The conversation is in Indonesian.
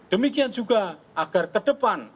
demikian juga agar ke depan